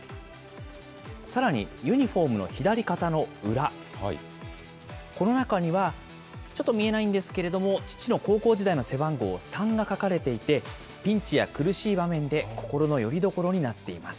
さらに、ユニホームの左肩の裏、この中にはちょっと見えないんですけれども、父の高校時代の背番号３が書かれていて、ピンチや苦しい場面で心のよりどころになっています。